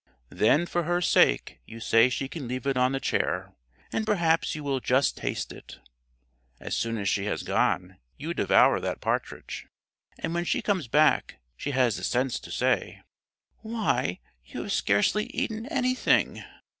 Then for her sake you say she can leave it on the chair, and perhaps you will just taste it. As soon as she has gone you devour that partridge, and when she comes back she has the sense to say: "Why, you have scarcely eaten anything.